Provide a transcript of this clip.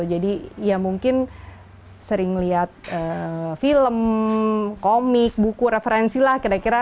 jadi ya mungkin sering lihat film komik buku referensi lah kira kira